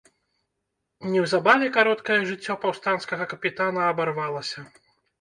Неўзабаве кароткае жыццё паўстанцкага капітана абарвалася.